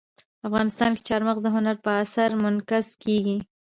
افغانستان کې چار مغز د هنر په اثار کې منعکس کېږي.